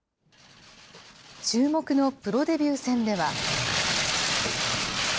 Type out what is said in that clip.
注目のプロデビュー戦では。